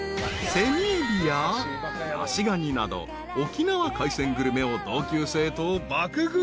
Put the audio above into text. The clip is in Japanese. ［セミエビやヤシガニなど沖縄海鮮グルメを同級生と爆食い］